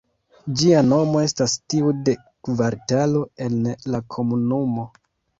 Ĝia nomo estas tiu de kvartalo en la komunumo.